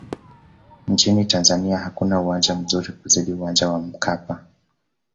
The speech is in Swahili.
nchini tanzania hakuna uwanja mzuri kuzidi uwanja wa mkapa